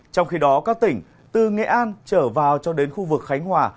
trong khi đó các tỉnh từ nghệ an trở vào cho đến khu vực khánh hòa